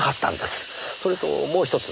それともう１つ。